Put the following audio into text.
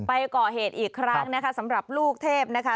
ก่อเหตุอีกครั้งนะคะสำหรับลูกเทพนะคะ